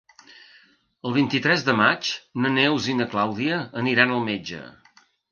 El vint-i-tres de maig na Neus i na Clàudia aniran al metge.